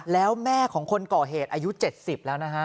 แล้วแม่ของคนก่อเหตุอายุ๗๐แล้วนะฮะ